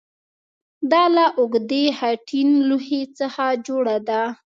دا له اوږدې خټین لوښي څخه جوړه ده